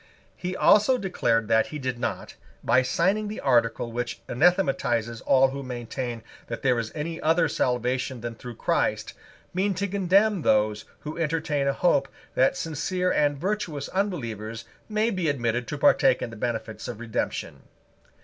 He also declared that he did not, by signing the article which anathematizes all who maintain that there is any other salvation than through Christ, mean to condemn those who entertain a hope that sincere and virtuous unbelievers may be admitted to partake in the benefits of Redemption.